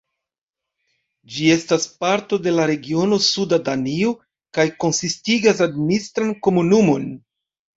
Ĝi estas parto de la regiono Suda Danio kaj konsistigas administran komunumon.